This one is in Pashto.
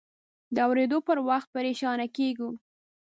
د اورېدو پر وخت پریشان کېږو.